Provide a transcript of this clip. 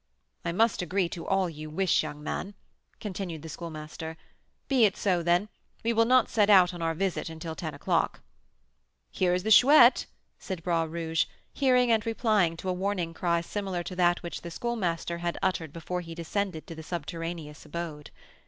"I must agree to all you wish, young man," continued the Schoolmaster. "Be it so, then; we will not set out on our visit until ten o'clock." "Here is the Chouette!" said Bras Rouge, hearing and replying to a warning cry similar to that which the Schoolmaster had uttered before he descended to the subterraneous abode.